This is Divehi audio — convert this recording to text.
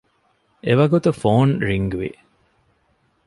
އެވަގުތު ފޯން ރިންގްވި